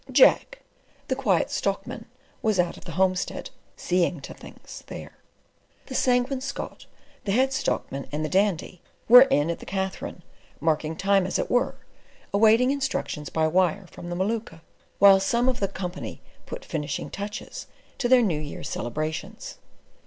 Jack, the Quiet Stockman, was out at the homestead, "seeing to things" there. The Sanguine Scot, the Head Stockman, and the Dandy, were in at the Katherine, marking time, as it were, awaiting instructions by wire from the Maluka, while some of the Company "put finishing touches" to their New Year celebrations.